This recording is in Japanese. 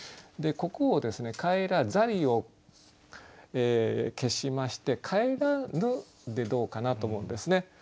でここをですね「返らざり」を消しまして「返らぬ」でどうかなと思うんですね。